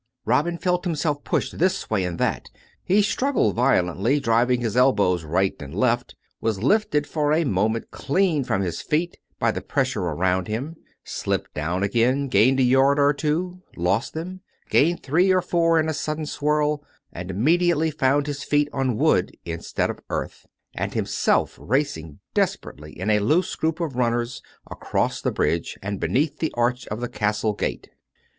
Robin felt himself pushed this way and that; he struggled violently, driving his elbows right and left; was lifted for a moment clean from his feet by the pressure about him; slipped down again ; gained a yard or two ; lost them ; gained three or four in a sudden swirl; and immediately found his feet on wood instead of earth; and himself racing desperately COME RACK! COME ROPE! 353 in a loose group of runners, across the bridge; and beneath the arch of the castle gate.